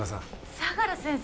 相良先生！